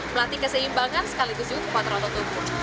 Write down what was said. melatih keseimbangan sekaligus menutupi rata tubuh